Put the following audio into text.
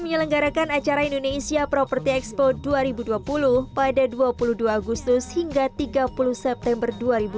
menyelenggarakan acara indonesia property expo dua ribu dua puluh pada dua puluh dua agustus hingga tiga puluh september dua ribu dua puluh